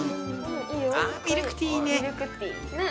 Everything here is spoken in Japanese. あミルクティーいいね。